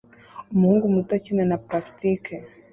Umuhungu muto akina na plastike